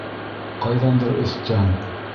Ҡайҙандыр өҫтән: